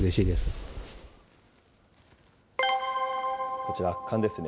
こちら、圧巻ですね。